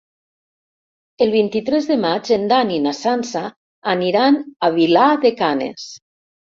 El vint-i-tres de maig en Dan i na Sança aniran a Vilar de Canes.